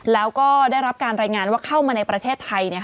แล้วก็ได้รับการรายงานว่าเข้ามาในประเทศไทย